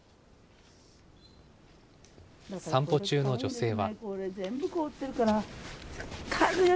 散歩中の女性は。